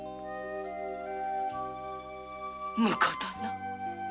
婿殿。